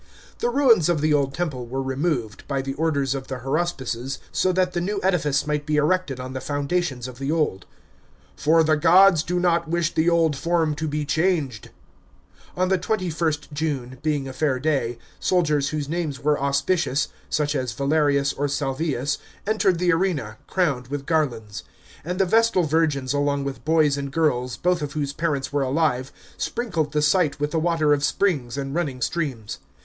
The ruins of the old temple were removed, by the orders of the haruspices, so that the new edifice might be erected on the foundations of the old ;" for the gods do not wish the old form to be changed." On the 21st June, being a fair day, soldiers whose names were auspicious (such as Valerius or Salvius), entered the arena, crowned with garlands; and the Vestal virgins along with boys and girls, both of whose parents were alive, sprinkled the site with the water of springs and running streams.